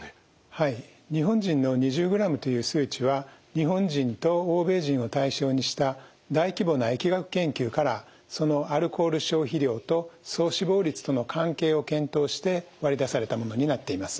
はい日本人の２０グラムという数値は日本人と欧米人を対象にした大規模な疫学研究からそのアルコール消費量と総死亡率との関係を検討して割り出されたものになっています。